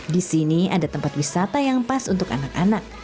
di sini ada tempat wisata yang pas untuk anak anak